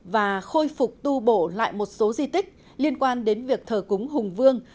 và khôi phục tu bổ lại một số di tích liên quan đến việc thờ cúng hùng vương